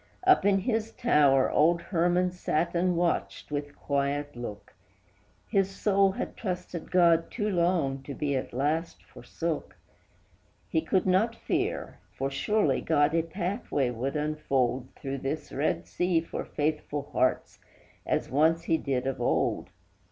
Up in his tower old Herman sat and watched with quiet look; His soul had trusted God too long to be at last forsook; He could not fear, for surely God a pathway would unfold Through this red sea for faithful hearts, as once he did of old.